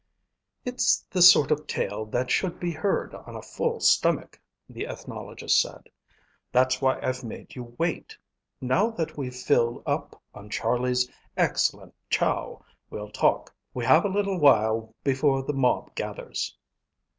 "It's the sort of tale that should be heard on a full stomach," the ethnologist said. "That's why I've made you wait. Now that we've filled up on Charlie's excellent chow, we'll talk. We have a little while before the mob gathers."